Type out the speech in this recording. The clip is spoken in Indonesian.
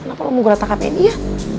kenapa lu mau geratak hape dia